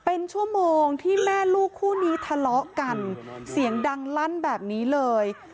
เป็นชั่วโมงที่แม่ลูกคู่นี้ทะเลาะกันเสียงดังลั่นแบบนี้เลย